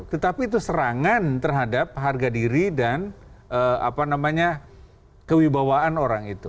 tetapi itu serangan terhadap harga diri dan kewibawaan orang itu